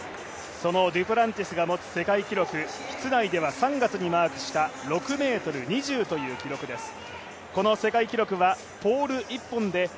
そのデュプランティスが持つ世界記録、室内では３月に記録した６ｍ２０という記録です。